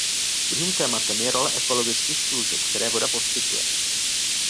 Druhým tématem je role ekologických služeb, které voda poskytuje.